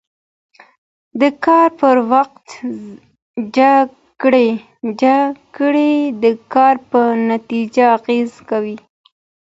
د کار پر وخت جکړې د کار په نتیجه اغېز کوي.